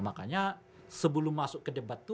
makanya sebelum masuk ke debat itu